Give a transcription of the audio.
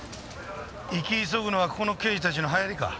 生き急ぐのはここの刑事たちのはやりか？